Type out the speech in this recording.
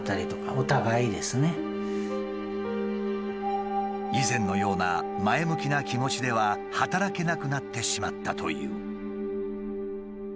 言いましたらやっぱり以前のような前向きな気持ちでは働けなくなってしまったという。